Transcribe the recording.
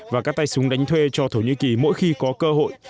và các tay súng đánh thuê cho thổ nhĩ kỳ mỗi khi có cơ hội